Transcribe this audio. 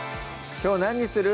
きょう何にする？